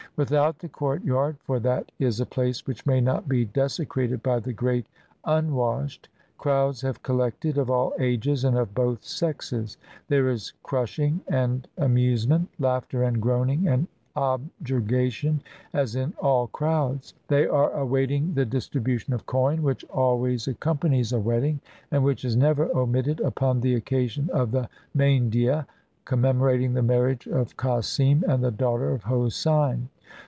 Without the courtyard — for that is a place which may not be desecrated by the great un washed — crowds have collected, of all ages and of both sexes; there is crushing and amusement, laughter and groaning and objurgation, as in all crowds. They are awaiting the distribution of coin, which always accom 2IO THE FESTIVAL OF THE MOHURRIM panics a wedding, and which is never omitted upon the occasion of the Mayndich commemorating the marriage of Cossim and the daughter of Hosein.